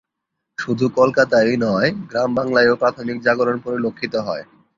শুধু কলকাতায়ই নয়, গ্রাম বাংলায়ও প্রাথমিক জাগরণ পরিলক্ষিত হয়।